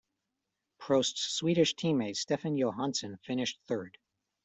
Prost's Swedish team mate Stefan Johansson finished third.